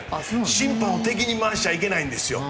審判を敵に回しちゃいけないんですよ。